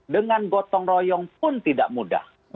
dengan gotong royong pun tidak mudah